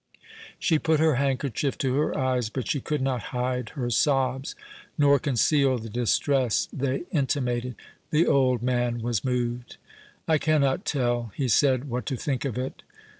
She put her handkerchief to her eyes, but she could not hide her sobs, nor conceal the distress they intimated. The old man was moved. "I cannot tell," he said, "what to think of it.